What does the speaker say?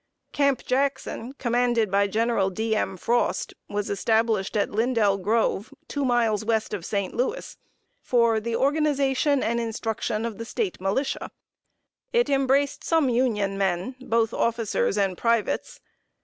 Camp Jackson, commanded by Gen. D. M. Frost, was established at Lindell Grove, two miles west of St. Louis, "for the organization and instruction of the State Militia." It embraced some Union men, both officers and privates.